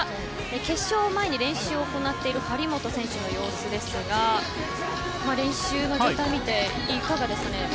決勝前に練習を行っている張本選手の様子ですが練習を見ていかがですか。